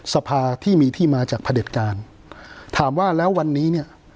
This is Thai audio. สภาที่มีที่มาจากพระเด็จการถามว่าแล้ววันนี้เนี่ย